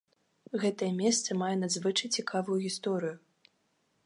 Гэтае месца мае надзвычай цікавую гісторыю.